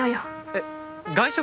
えっ外食？